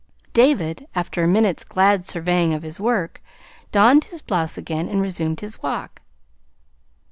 David, after a minute's glad surveying of his work, donned his blouse again and resumed his walk.